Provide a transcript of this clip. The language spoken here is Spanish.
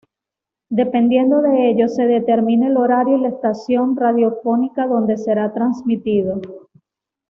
Dependiendo de ello, se determina el horario y la estación radiofónica donde será transmitido.